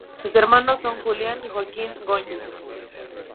Sus hermanos son, Julián y Joaquín Goñi.